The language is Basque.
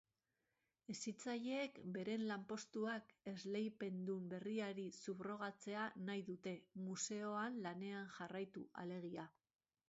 Hezitzaileek beren lanpostuak esleipendun berriari subrogatzea nahi dute, museoan lanean jarraitu alegia.